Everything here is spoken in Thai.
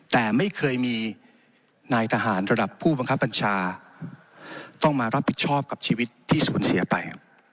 แต่ไม่เคยมีนายทหารระดับผู้บังคับบัญชาต้องมารับผิดชอบกับชีวิตที่สูญเสียไป